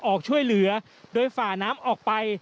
ออกช่วยเหลือโดยฝ่าน้ำออกไป